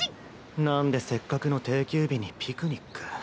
なんでせっかくの定休日にピクニック。